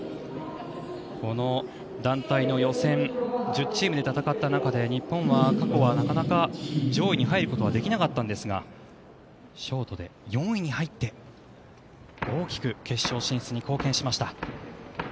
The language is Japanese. この団体の予選１０チームで戦った中で日本は過去はなかなか上位に入ることはできなかったんですがショートで４位に入って大きく決勝進出に貢献しました。